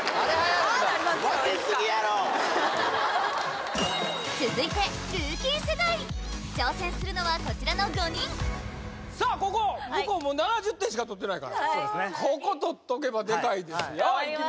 いつか続いてルーキー世代挑戦するのはこちらの５人さあここ向こうもう７０点しか取ってないからここ取っとけばデカいですよいき